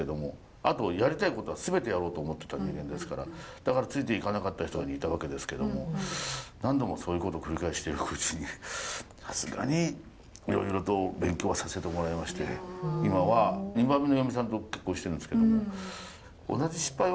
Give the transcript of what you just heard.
あとやりたいことは全てやろうと思ってた人間ですからだからついていかなかった人いたわけですけども何度もそういうことを繰り返していくうちにさすがにいろいろと勉強はさせてもらいまして今は２番目の嫁さんと結婚してるんですけども同じ失敗は繰り返さないでおこうって気持ちになるってことはありますかね。